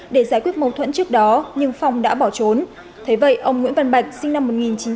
để giải quyết mâu thuẫn trước đó nhưng phong đã bỏ trốn thế vậy ông nguyễn văn bạch sinh năm